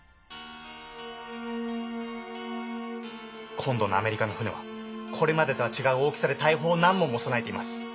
今度のアメリカの船はこれまでとは違う大きさで大砲を何門も備えています。